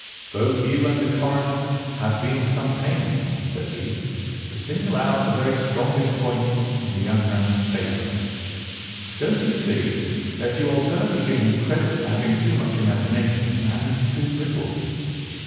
"Both you and the coroner have been at some pains," said he, "to single out the very strongest points in the young man's favour. Don't you see that you alternately give him credit for having too much imagination and too little?